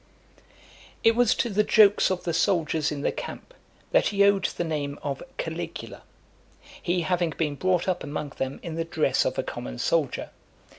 IX. It was to the jokes of the soldiers in the camp that he owed the name of Caligula , he having been brought up among them in the dress of a common soldier.